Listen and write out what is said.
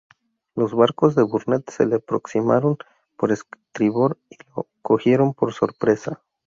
Los barcos de Burnett se le aproximaron por estribor y lo cogieron por sorpresa.